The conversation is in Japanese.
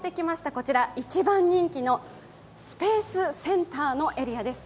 こちら一番人気のスペースセンターのエリアです。